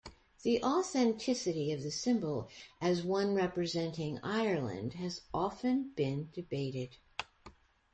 The authenticity of the symbol as one representing Ireland has often been debated.